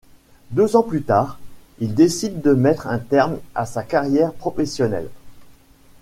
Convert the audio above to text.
Deux ans plus tard, il décide de mettre un terme à sa carrière professionnelle.